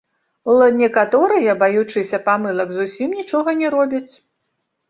Л некаторыя, баючыся памылак, зусім нічога не робяць.